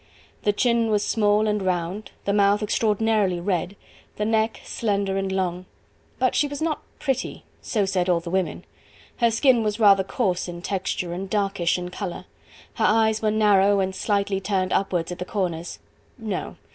The chin was small and round, the mouth extraordinarily red, the neck slender and long. But she was not pretty: so said all the women. Her skin was rather coarse in texture and darkish in colour, her eyes were narrow and slightly turned upwards at the corners; no!